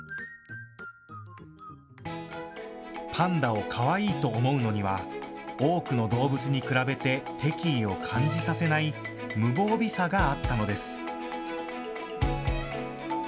パンダをかわいいと思うのには多くの動物に比べて敵意を感じさせない無防備さがあったのです。